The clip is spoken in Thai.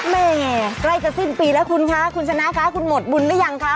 แม่ใกล้จะสิ้นปีแล้วคุณคะคุณชนะคะคุณหมดบุญหรือยังคะ